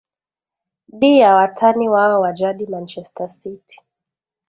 di ya watani wao wa jadi manchester city